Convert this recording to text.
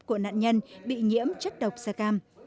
của nạn nhân bị nhiễm chất độc da cam